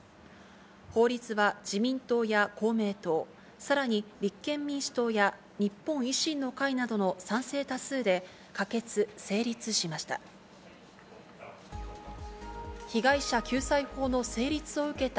法律は、自民党や公明党、さらに立憲民主党や日本維新の会などの賛成多数で、可決・成立しました。